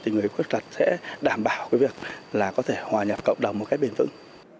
người khuyết tật sẽ đảm bảo cái việc là có thể hòa nhập cộng đồng một cách bền vững